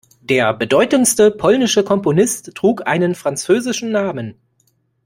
Der bedeutendste polnische Komponist trug einen französischen Namen.